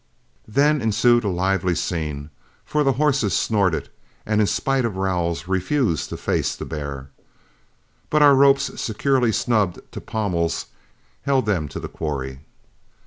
Then ensued a lively scene, for the horses snorted and in spite of rowels refused to face the bear. But ropes securely snubbed to pommels held them to the quarry.